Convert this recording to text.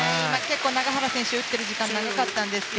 今、永原選手は打っている時間が長かったんですが